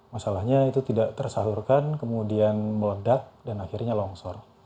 masalahnya itu tidak tersalurkan kemudian meledak dan akhirnya longsor